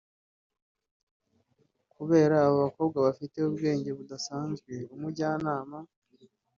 Kubera aba bakobwa bafite ubwenge budasanzwe umujyanama